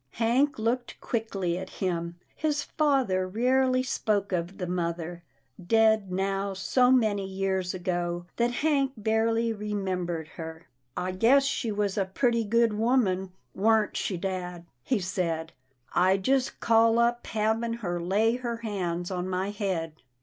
Hank looked quickly at him. His father rarely spoke of the mother, dead now so many years ago that Hank barely remembered her. " I guess she was a pretty good woman, warn't PERLETTA PUZZLES HER FRIENDS 287 she, dad? " he said, " I just call up having her lay her hand on my head."